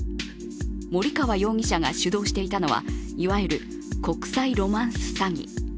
森川容疑者が主導していたのは、いわゆる国際ロマンス詐欺。